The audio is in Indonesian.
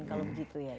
kalau begitu ya